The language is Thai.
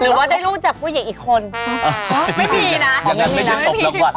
หรือว่าได้ลูกแก่ผู้เยี่ยงอีกคน